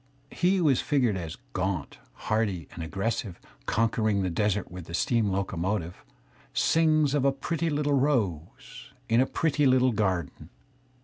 He who is figured as gaunt, hardy and aggressive, conquering the desert with the steam locomotive, sings of a pretty Uttle rose in a pretty little garden.